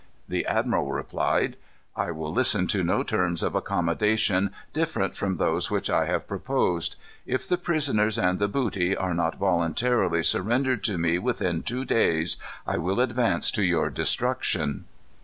The admiral replied: "I will listen to no terms of accommodation different from those which I have proposed. If the prisoners and the booty are not voluntarily surrendered to me within two days, I will advance to your destruction."